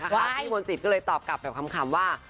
พี่มนตรีก็เลยตอบกลับแบบคำว่า